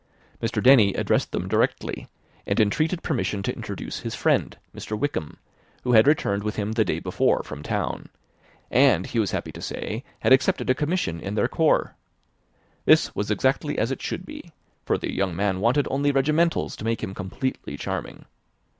Mr. Denny addressed them directly, and entreated permission to introduce his friend, Mr. Wickham, who had returned with him the day before from town, and, he was happy to say, had accepted a commission in their corps. This was exactly as it should be; for the young man wanted only regimentals to make him completely charming.